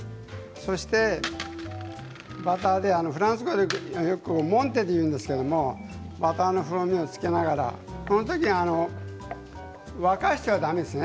そしてバターでフランス語でよくモンテというんですけれどもバターの風味を付けながらこのときに沸かしちゃだめですね。